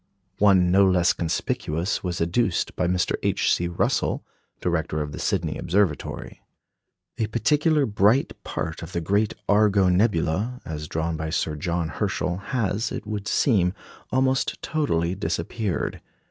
One no less conspicuous was adduced by Mr. H. C. Russell, director of the Sydney Observatory. A particularly bright part of the great Argo nebula, as drawn by Sir John Herschel, has, it would seem, almost totally disappeared.